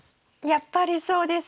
やっぱりそうですよね。